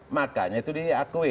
makanya itu diakui